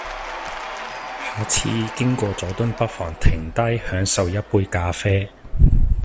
下次經過佐敦，不妨停低享受一杯咖啡